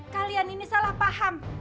kalian ini salah paham